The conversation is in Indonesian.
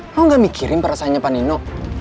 lo gak mikirin perasaannya panino